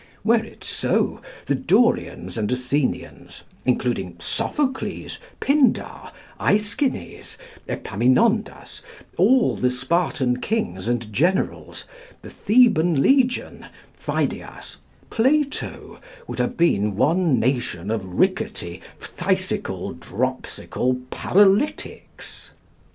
Were it so, the Dorians and Athenians, including Sophocles, Pindar, Æschines, Epaminondas, all the Spartan kings and generals, the Theban legion, Pheidias, Plato, would have been one nation of rickety, phthisical, dropsical paralytics.